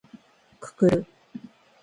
くくる